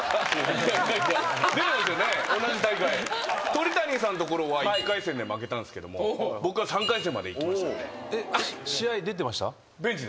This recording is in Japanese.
鳥谷さんのところは１回戦で負けたんですけども僕は３回戦までいきましたんで。